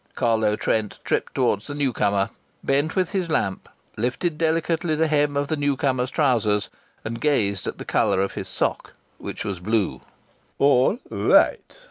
Carlo Trent tripped towards the new comer, bent with his lamp, lifted delicately the hem of the new comer's trousers, and gazed at the colour of his sock, which was blue. "All right!"